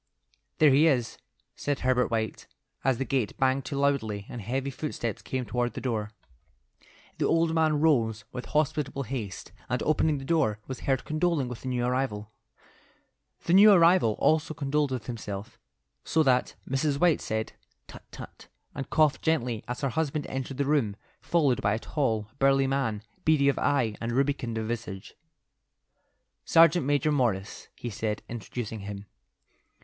"There he is," said Herbert White, as the gate banged to loudly and heavy footsteps came toward the door. The old man rose with hospitable haste, and opening the door, was heard condoling with the new arrival. The new arrival also condoled with himself, so that Mrs. White said, "Tut, tut!" and coughed gently as her husband entered the room, followed by a tall, burly man, beady of eye and rubicund of visage. "Sergeant Major Morris," he said, introducing him.